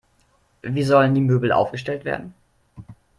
Wie sollen die Möbel aufgestellt werden?